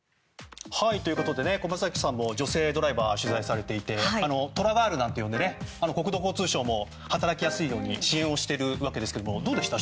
小松崎さんも女性ドライバーを取材されてトラガールなんて呼んで国土交通省も働きやすいように支援をしているわけですがどうですか？